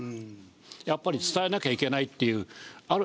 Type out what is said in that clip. やっぱり伝えなきゃいけないっていうある種のまあ